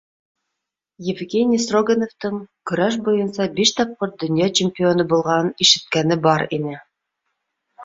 Евгений Строгановтың көрәш буйынса биш тапҡыр донъя чемпионы булғанын ишеткән бар ине.